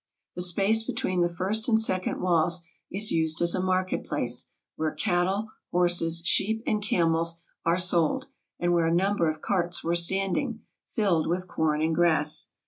The space between the first and second walls is used as a market place, where cattle, horses, sheep, and camels are sold, and where a number of carts were standing, filled with corn and grass.